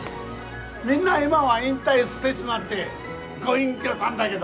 みんな今は引退してしまってご隠居さんだげど。